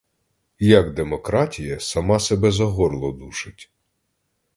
Як демократія сама себе за горло душить?